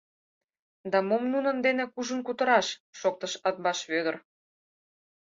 — Да мом нунын дене кужун кутыраш, — шоктыш Атбаш Вӧдыр.